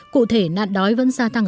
cụ thể nạn đói vẫn gia tăng